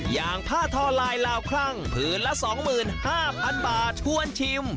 อย่างผ้าทอลายลาวครั่งผืนละ๒๕๐๐๐บาทชวนชิม